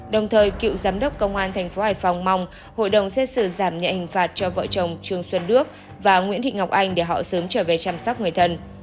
đồng thời cựu giám đốc công an tp hải phòng mong hội đồng xét xử giảm nhẹ hình phạt cho vợ chồng trương xuân đức và nguyễn thị ngọc anh để họ sớm trở về chăm sóc người thân